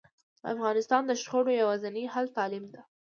د افغانستان د شخړو یواځینی حل تعلیم ده